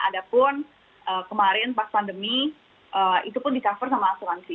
ada pun kemarin pas pandemi itu pun di cover sama asuransi